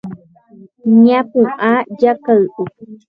Ñapu'ã jakay'u.